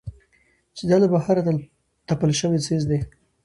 چې دا له بهره تپل شوى څيز دى.